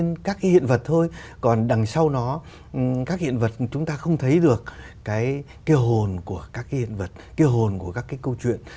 chúng ta chỉ bày lên các cái hiện vật thôi còn đằng sau nó các hiện vật chúng ta không thấy được cái hồn của các cái hiện vật cái hồn của các cái câu chuyện